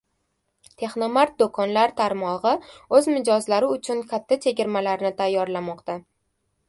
Texnomart do‘konlar tarmog‘i o‘z mijozlari uchun katta chegirmalarni tayyorlamoqda